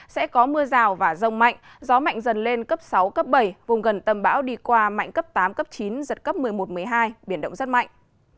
sẽ có mưa rào và rông mạnh gió mạnh dần lên cấp sáu cấp bảy vùng gần tâm bão đi qua mạnh cấp tám cấp chín giật cấp một mươi một một mươi hai biển động rất mạnh